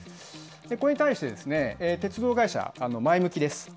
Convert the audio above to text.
これに対して、鉄道会社、前向きです。